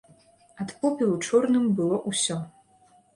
Ад попелу чорным было ўсё.